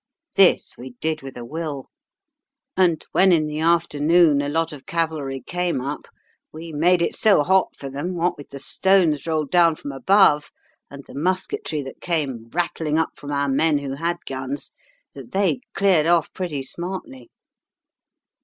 This we did with a will; and when, in the afternoon, a lot of cavalry came up, we made it so hot for them, what with the stones rolled down from above and the musketry that came rattling up from our men who had guns, that they cleared off pretty smartly.